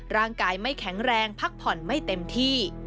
ร่างกายไม่แข็งแรงพักผ่อนไม่เต็มที่